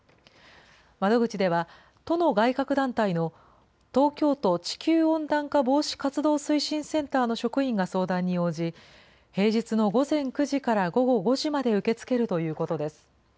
窓口では、都の外郭団体の東京都地球温暖化防止活動推進センターの職員が相談に応じ、平日の午前９時から午後５時まで受け付けるということです。